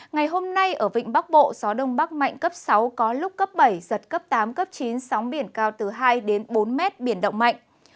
ngày hôm nay ở vịnh bắc bộ gió đông bắc mạnh cấp sáu có lúc cấp bảy giật cấp tám cấp chín sóng biển cao từ hai bốn m biển động mạnh